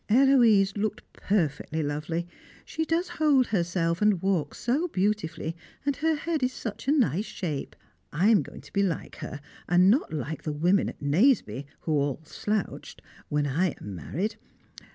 Héloise looked perfectly lovely, she does hold herself and walk so beautifully, and her head is such a nice shape. I am going to be like her, and not like the women at Nazeby (who all slouched) when I am married.